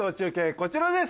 こちらです